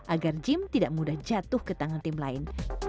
agar gym tidak mudah jatuh ke tangan tim lain